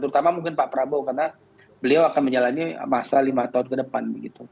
terutama mungkin pak prabowo karena beliau akan menjalani masa lima tahun ke depan